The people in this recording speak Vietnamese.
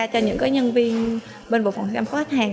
cho những nhân viên bên bộ phận chăm sóc khách hàng